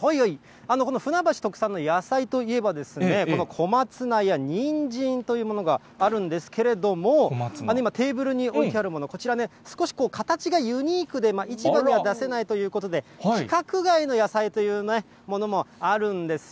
この船橋特産の野菜といえば、この小松菜やにんじんというものがあるんですけれども、今、テーブルに置いてあるもの、こちら、少し形がユニークで、市場には出せないということで、規格外の野菜というものもあるんですよ。